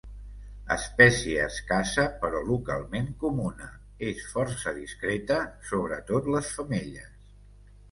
Espècie escassa però localment comuna, és força discreta, sobretot les femelles.